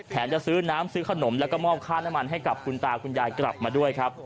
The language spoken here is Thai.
จะซื้อน้ำซื้อขนมแล้วก็มอบค่าน้ำมันให้กับคุณตาคุณยายกลับมาด้วยครับ